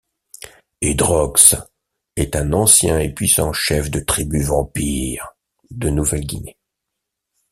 Hedrox est un ancien et puissant chef de tribu vampire de Nouvelle-Guinée.